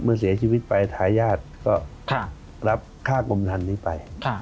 เมื่อเสียชีวิตไปทายาทก็ค่ะรับค่ากรมธรรมนี้ไปค่ะ